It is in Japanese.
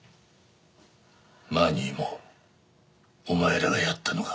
マニーもお前らがやったのか？